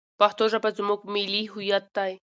پښتو ژبه زموږ ملي هویت دی.